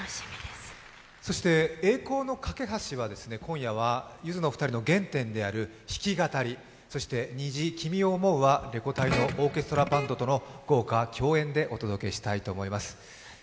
そして「栄光の架橋」は今夜はゆずのお二人の原点である弾き語り、「虹」、「君を想う」はレコ大オーケストラバンドとの豪華共演でお届けしたいと思います。